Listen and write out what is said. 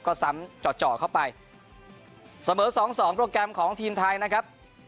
ก็ซ้ำจ่อเข้าไปเสมอสองสองโปรแกรมของทีมไทยนะครับ